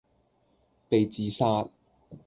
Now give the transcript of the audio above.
被自殺